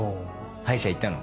歯医者行ったの？